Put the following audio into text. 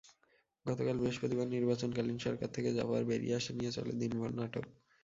গতকাল বৃহস্পতিবার নির্বাচনকালীন সরকার থেকে জাপার বেরিয়ে আসা নিয়ে চলে দিনভর নাটক।